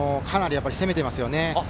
かなり攻めていますね。